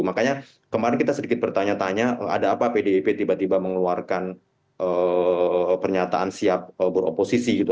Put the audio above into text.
makanya kemarin kita sedikit bertanya tanya ada apa pdip tiba tiba mengeluarkan pernyataan siap beroposisi gitu